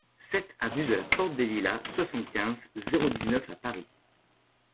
sept aV DE LA PORTE DES LILAS, soixante-quinze, zéro dix-neuf à Paris